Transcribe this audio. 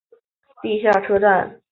地下车站。